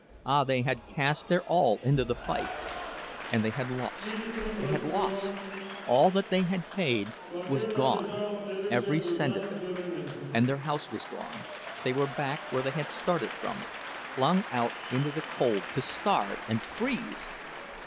Ah! they had cast their all into the fight; and they had lost, they had lost! All that they had paid was gone—every cent of it. And their house was gone—they were back where they had started from, flung out into the cold to starve and freeze!